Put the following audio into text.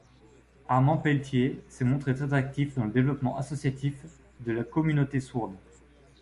Armand Pelletier s'est montré très actif dans le développement associatif de la communauté sourde.